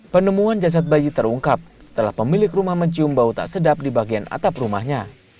penemuan jasad bayi terungkap setelah pemilik rumah mencium bau tak sedap di bagian atap rumahnya